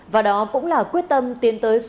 và đó cũng là quyết tâm tiến tới